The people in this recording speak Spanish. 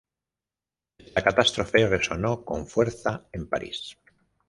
Esta catástrofe resonó con fuerza en París.